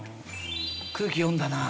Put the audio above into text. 空気読んだなあ。